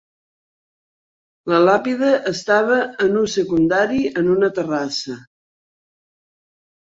La làpida estava en ús secundari en una terrassa.